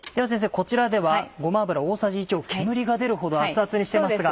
こちらではごま油大さじ１を煙が出るほど熱々にしてますが。